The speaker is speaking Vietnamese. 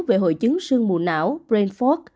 về hội chứng sương mù não